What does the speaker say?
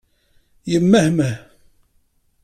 Yemmehmeh.